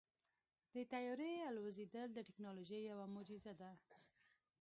د طیارې الوزېدل د تیکنالوژۍ یوه معجزه ده.